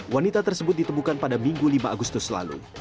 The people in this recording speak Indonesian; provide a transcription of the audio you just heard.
wanita tersebut ditemukan pada minggu lima agustus lalu